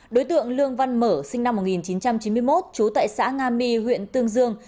đối tượng lương văn mở sinh năm một nghìn chín trăm chín mươi một trú tại xã nga my huyện tương dương